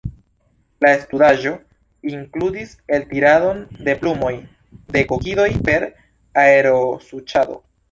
La studaĵo inkludis eltiradon de plumoj de kokidoj per aerosuĉado.